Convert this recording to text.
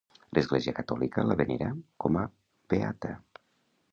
L'Església catòlica la venera com a beata.